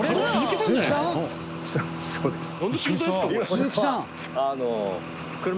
鈴木さん！